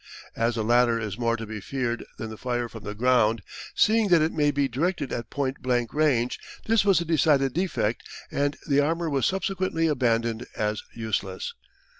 As the latter is more to be feared than the fire from the ground, seeing that it may be directed at point blank range, this was a decided defect and the armour was subsequently abandoned as useless.